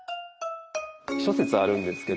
諸説あるんですけど。